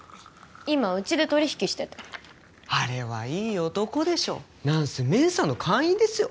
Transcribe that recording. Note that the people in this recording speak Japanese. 今うちで取り引きしててあれはいい男でしょなんせメンサの会員ですよ